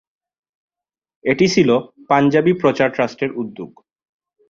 এটি ছিল পাঞ্জাবি প্রচার ট্রাস্টের উদ্যোগ।